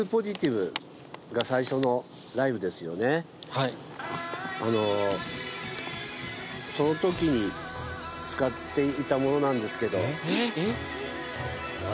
はいあのその時に使っていたものなんですけどえっ何？